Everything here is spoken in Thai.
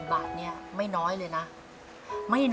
ว้าวว้าว